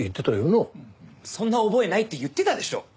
「そんな覚えない」って言ってたでしょう。